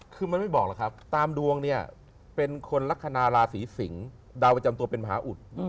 คือมันไม่บอกหรอกครับตามดวงเนี่ยเป็นคนลักษณะราศีสิงศ์ดาวประจำตัวเป็นมหาอุด